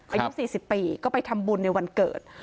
อายุ๔๐ปีก็ไปทำบุญในวันเกิด